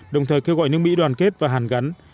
đồng thời kêu gọi nước mỹ đoàn kết và hàn gắn